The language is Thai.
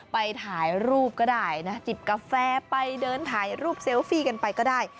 ไปถ่ายรูปก็ได้นะจิบกาแฟไปเดินถ่ายรูปเซลฟี่กันไปก็ได้